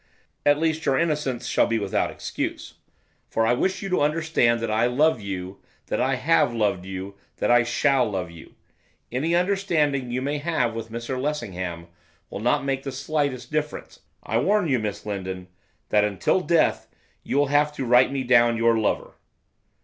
At least, your innocence shall be without excuse. For I wish you to understand that I love you, that I have loved you, that I shall love you. Any understanding you may have with Mr Lessingham will not make the slightest difference. I warn you, Miss Lindon, that, until death, you will have to write me down your lover.